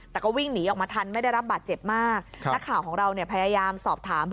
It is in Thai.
แต่ก็วิ่งหนีออกมาทันไม่ได้รับบาดเจ็บมากนักข่าวของเราเนี่ยพยายามสอบถาม